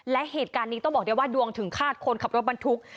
และเหตุการณ์นี้ต้องบอกได้ว่าดวงถึงฆาตคนขับรถบรรทุก